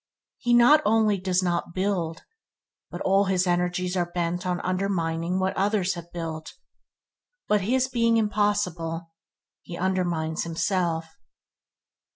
He not only does not build, but all his energies are bent on undermining what others have built, but his being impossible, he undermines himself.